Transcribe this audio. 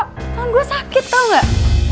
tangan gue sakit tau gak